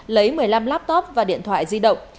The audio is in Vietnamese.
lấy một mươi năm laptop và điện thoại di động